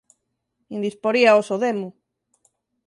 Indisporíaos o demo!